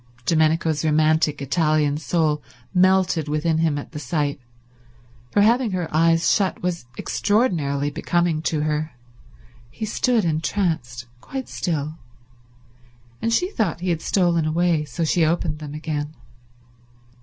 Domenico's romantic Italian soul melted within him at the sight, for having her eyes shut was extraordinarily becoming to her. He stood entranced, quite still, and she thought he had stolen away, so she opened them again.